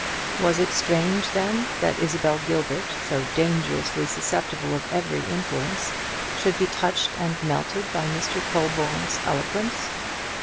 Was it strange, then, that Isabel Gilbert, so dangerously susceptible of every influence, should be touched and melted by Mr. Colborne's eloquence?